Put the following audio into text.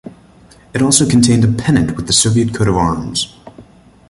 It also contained a pennant with the Soviet coat of arms.